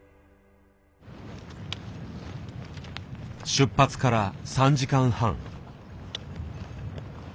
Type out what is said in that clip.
出発から３時間半。